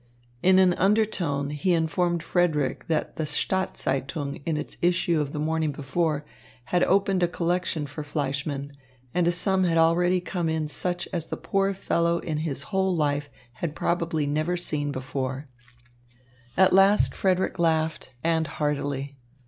In an undertone he informed Frederick that The Staats Zeitung in its issue of the morning before had opened a collection for Fleischmann, and a sum had already come in such as the poor fellow in his whole life had probably never before seen. At last Frederick laughed, and heartily.